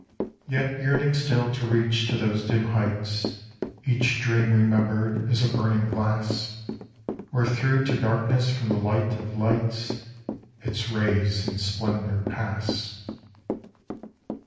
Yet yearning still to reach to those dim heights, Each dream remembered is a burning glass, Where through to darkness from the Light of Lights Its rays in splendour pass.